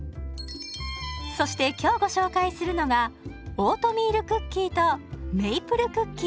そして今日ご紹介するのがオートミールクッキーとメイプルクッキーです。